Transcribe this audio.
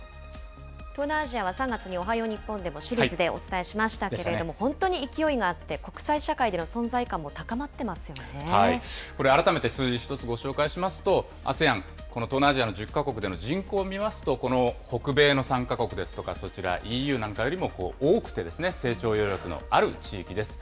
東南アジアは３月におはよう日本でもシリーズでお伝えしましたけれども、本当に勢いがあって、国際社会での存在感も高まってまこれ、改めて数字、１つご紹介しますと、ＡＳＥＡＮ、この東南アジアの１０か国での人口を見ますと、この北米の３か国ですとかそちらＥＵなんかよりも多くて、成長余力のある地域です。